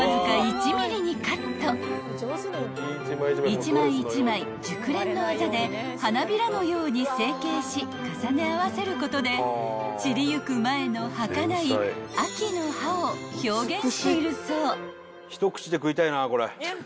［一枚一枚熟練の技で花びらのように成形し重ね合わせることで散りゆく前のはかない秋の葉を表現しているそう］